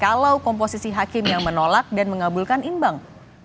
kalau komposisi hakim yang menolak dan mengabulkan imbang